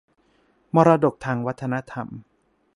มรดกทางวัฒนธรรม